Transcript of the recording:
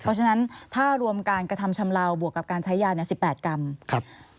เพราะฉะนั้นถ้ารวมการกระทำชำลาวบวกกับการใช้ยา๑๘กรัม